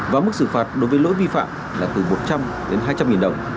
và mức xử phạt đối với lỗi vi phạm là từ một trăm linh đến hai trăm linh đồng